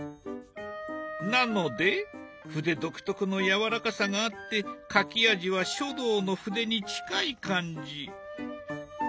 なので筆独特のやわらかさがあって書き味は書道の筆に近い感じ。